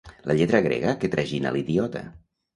La lletra grega que tragina l'idiota.